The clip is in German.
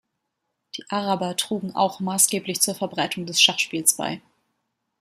Die Araber trugen auch maßgeblich zur Verbreitung des Schachspiels bei.